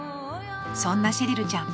そんなシェリルちゃん